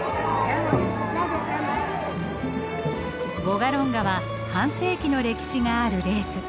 ヴォガロンガは半世紀の歴史があるレース。